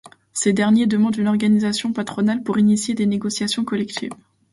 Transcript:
Ces derniers demandent une organisation patronale pour initier des négociations collectives.